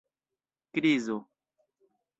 krizo